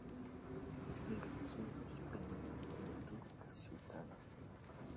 Li ricevis premion de la turka sultano.